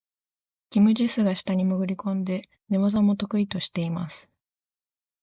キム・ジスが下に潜り込んで、寝技も得意としています。